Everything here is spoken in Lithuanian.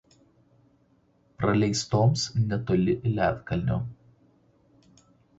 praleistoms netoli Ledakalnio